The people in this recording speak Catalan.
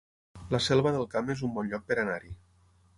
La Selva del Camp es un bon lloc per anar-hi